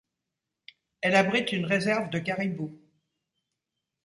Elle abrite une réserve de caribous.